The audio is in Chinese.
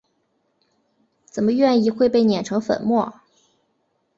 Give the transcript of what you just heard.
怎么愿意会被碾成粉末？